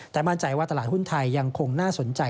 แต่มั่นใจว่าตลาดหุ้นไทยยังคงน่าสนใจ